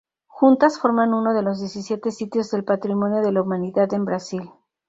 Juntas, forman uno de los diecisiete sitios del Patrimonio de la Humanidad en Brasil.